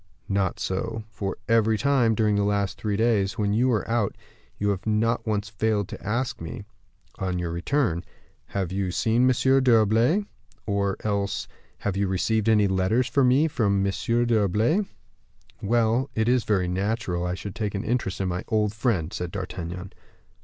'" "Not so; for every time, during the last three days, when you went out, you have not once failed to ask me, on your return, 'Have you seen M. d'Herblay?' or else 'Have you received any letters for me from M. d'Herblay?'" "Well, it is very natural I should take an interest in my old friend," said D'Artagnan.